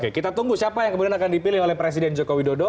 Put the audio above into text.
oke kita tunggu siapa yang kemudian akan dipilih oleh presiden joko widodo